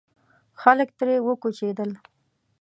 خلک ترې وکوچېدل.